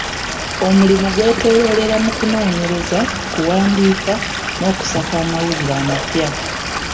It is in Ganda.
Omulimu gwetoloolera mu kunoonyereza, kuwandiika, n'okusaka amawulire amapya.